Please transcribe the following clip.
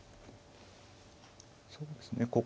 そうですね